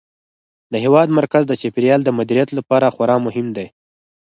د هېواد مرکز د چاپیریال د مدیریت لپاره خورا مهم دی.